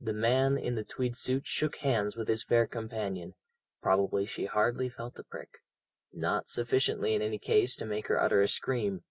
The man in the tweed suit shook hands with his fair companion probably she hardly felt the prick, not sufficiently in any case to make her utter a scream.